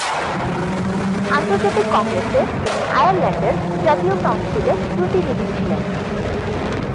আন্তর্জাতিক কংগ্রেসে তিনি আয়ারল্যান্ডের জাতীয় কাউন্সিলের প্রতিনিধি ছিলেন।